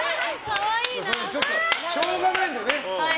しょうがないんだよね